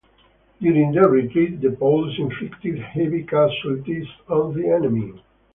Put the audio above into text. During the retreat, the Poles inflicted heavy casualties on the enemy.